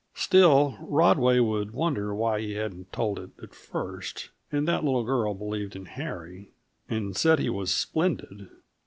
Still, Rodway would wonder why he hadn't told it at first; and that little girl believed in Harry, and said he was "splendid!"